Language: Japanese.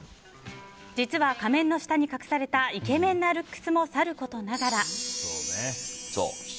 実は仮面の下に隠されたイケメンなルックスもさることながら。